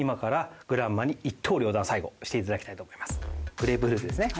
グレープフルーツですね。